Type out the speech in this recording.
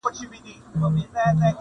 له کښتۍ سره مشغول وو په څپو کي-